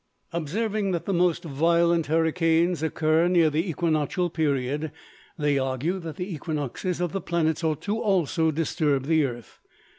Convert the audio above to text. Observing that the most violent hurricanes occur near the equinoctial period, they argue that the equinoxes of the planets ought to also disturb the earth.